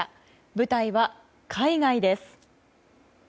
舞台は海外です。